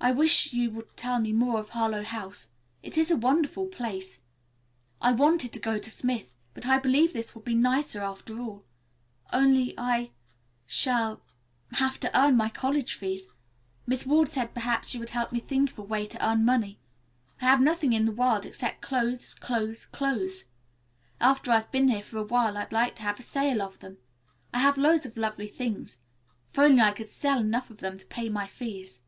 I wish you would tell me more of Harlowe House. It is a wonderful place. I wanted to go to Smith, but I believe this will be nicer after all. Only I shall have to earn my college fees. Miss Ward said perhaps you would help me think of a way to earn money. I have nothing in the world except clothes, clothes, clothes. After I've been here for awhile I'd like to have a sale of them. I have loads of lovely things. If I could only sell enough of them to pay my fees."